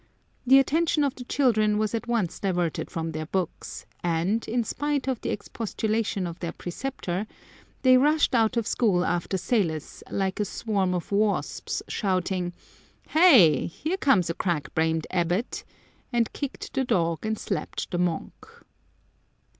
The attention of the children was at once diverted from their books, and, in spite of the expostulation of their preceptor, they rushed out of school after Salos, like a swarm of wasps,' shouting, " Heigh ! here comes a crack brained abbot!" and kicked the dog and slapped the monk.